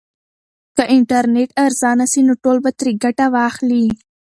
که انټرنیټ ارزانه سي نو ټول به ترې ګټه واخلي.